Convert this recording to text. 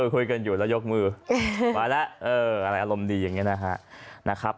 คุยกันอยู่แล้วยกมือมาแล้วอะไรอารมณ์ดีอย่างนี้นะครับ